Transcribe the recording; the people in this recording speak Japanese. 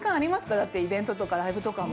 だってイベントとかライブとかも。